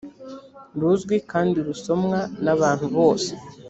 ruzwi kandi rusomwa n abantu bose